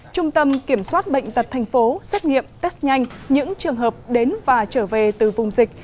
trung tâm kiểm soát bệnh tật thành phố xét nghiệm test nhanh những trường hợp đến và trở về từ vùng dịch